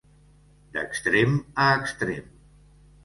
D'extrem a extrem.